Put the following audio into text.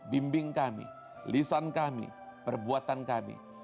bimbing kami lisan kami perbuatan kami